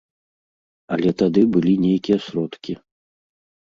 Але тады былі нейкія сродкі.